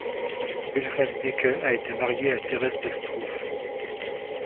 Wilhelm Deecke a été marié à Thérèse de Struve.